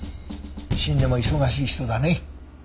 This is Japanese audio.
死んでも忙しい人だね。